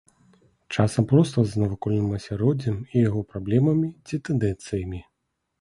Часам проста з навакольным асяроддзем і яго праблемамі ці тэндэнцыямі.